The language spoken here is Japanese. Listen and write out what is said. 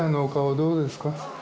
どうですか？